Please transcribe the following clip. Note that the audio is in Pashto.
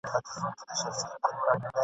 جهاني قاصد راغلی ساه ختلې ده له ښاره !.